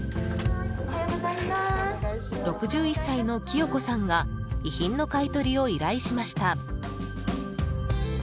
６１歳の清子さんが遺品の買い取りを依頼しました。